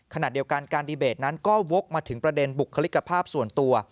ขณะเดียวกันการดีเบตนั้นก็วกมาถึงประเด็นบุคลิกภาพส่วนตัว